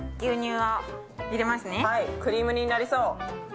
はい、クリーム煮になりそう。